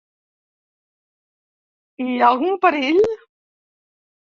Hi ha algun perill?